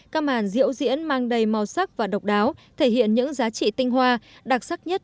các màn diễu diễn mang đầy màu sắc và độc đáo thể hiện những giá trị tinh hoa đặc sắc nhất